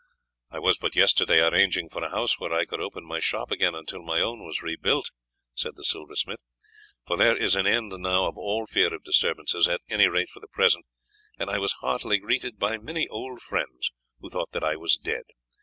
"I was but yesterday arranging for a house where I could open my shop again until my own was rebuilt," he said, "for there is an end now of all fear of disturbances, at any rate for the present, and I was heartily greeted by many old friends, who thought that I was dead.